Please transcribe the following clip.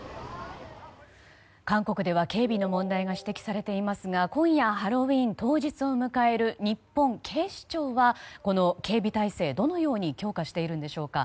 韓国では警備の問題が指摘されていますが今夜、ハロウィーン当日を迎える日本警視庁はこの警備態勢どのように強化しているんでしょうか。